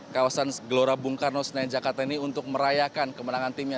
kawasan gelora bung karno senayan jakarta ini untuk merayakan kemenangan timnya